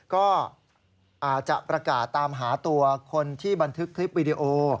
ก็อาจจะประกาศตามหาตัวคนที่บันทึกคลิปวิดีโอ